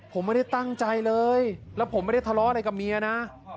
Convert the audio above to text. ผมไม่ได้ตั้งใจเลยแล้วผมไม่ได้ทะเลาะอะไรกับเมียนะ